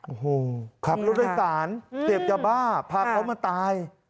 โอ้โหขับรถโดยสารเสพยาบ้าพาเขามาตาย